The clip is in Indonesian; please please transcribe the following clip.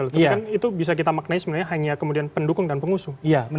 tapi kan itu bisa kita maknai sebenarnya hanya kemudian pendukung dan pengusung